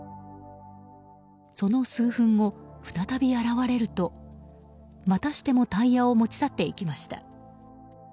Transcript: その数分後、再び現れるとまたしてもタイヤを持ち去っていきました。